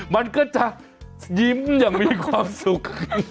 มันก็จะยิ้มอย่างมีความสุข